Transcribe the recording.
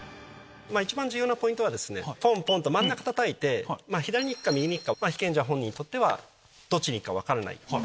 一番重要なポイントはポンポンと真ん中たたいて左に行くか右に行くか被験者本人にとってはどっちに行くか分からない。